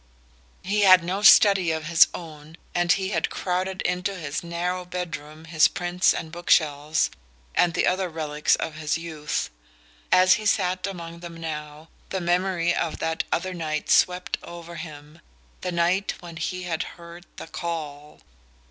He had no study of his own, and he had crowded into his narrow bed room his prints and bookshelves, and the other relics of his youth. As he sat among them now the memory of that other night swept over him the night when he had heard the "call"!